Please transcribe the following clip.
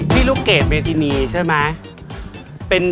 พี่ลูกเกรกเบทีนีใช่ไหม